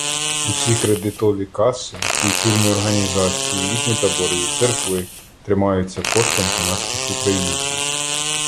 Усі кредитові каси, культурні організації, літні табори, церкви тримаються коштом канадських українців